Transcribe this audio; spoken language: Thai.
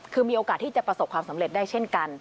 คือมีโอกาสที่จะประสบความสำเร็จได้เช่นกัน